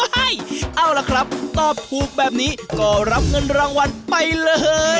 เอาล่ะครับตอบถูกแบบนี้ก็รับเงินรางวัลไปเลย